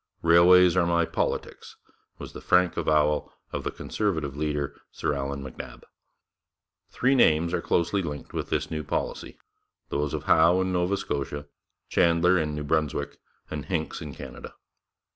'Railways are my politics,' was the frank avowal of the Conservative leader, Sir Allan MacNab. Three names are closely linked with this new policy those of Howe in Nova Scotia, Chandler in New Brunswick, and Hincks in Canada.